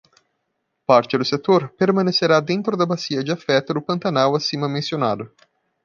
Parte do setor permanecerá dentro da bacia de afeto do pantanal acima mencionado.